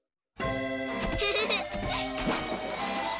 フフフ。